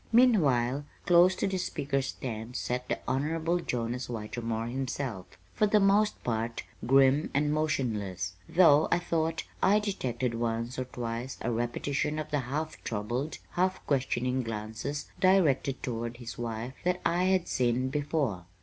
Meanwhile, close to the speaker's stand sat the Honorable Jonas Whitermore himself, for the most part grim and motionless, though I thought I detected once or twice a repetition of the half troubled, half questioning glances directed toward his wife that I had seen before.